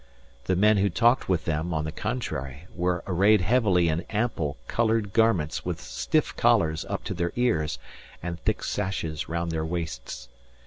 The men who talked with them, on the contrary, were arrayed heavily in ample, coloured garments with stiff collars up to their ears and thick sashes round their waists.